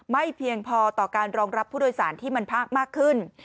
เพียงพอต่อการรองรับผู้โดยสารที่มันภาคมากขึ้น